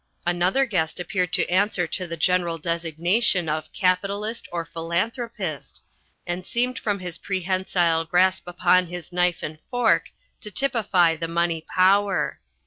Another guest appeared to answer to the general designation of Capitalist or Philanthropist, and seemed from his prehensile grasp upon his knife and fork to typify the Money Power.